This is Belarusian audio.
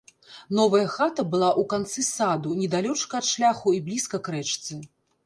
Новая хата была ў канцы саду, недалёчка ад шляху і блізка к рэчцы.